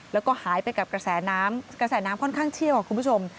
แล้วก็หายไปกับกระแสน้ำกระแสน้ำค่อนข้างเชี่ยวคุณผู้ชม